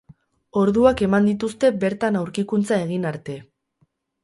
Orduak eman dituzte bertan aurkikuntza egin arte.